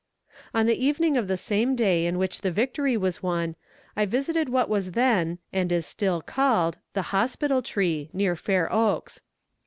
On the evening of the same day in which the victory was won I visited what was then, and is still called, the "hospital tree," near Fair Oaks.